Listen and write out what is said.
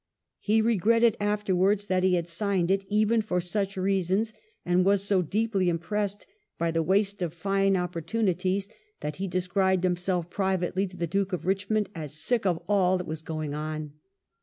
He regretted afterwards that he had signed it, even for such reasons, and was so deeply impressed by the waste of fine opportunities that he V THE CONVENTION OF CINTRA 103 described himseM privately to the Duke of Richmond as sick of all that was going on.